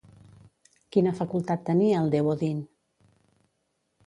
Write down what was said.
Quina facultat tenia el déu Odin?